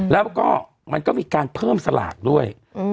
แล้วก็มันก็มีการเพิ่มสลากด้วย